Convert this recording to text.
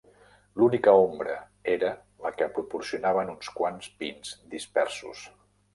L'única ombra era la que proporcionaven uns quants pins dispersos.